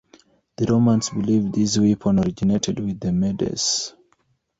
The Romans believed this weapon originated with the Medes.